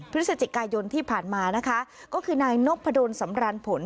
พฤศจิกายนที่ผ่านมานะคะก็คือนายนพดลสำรานผล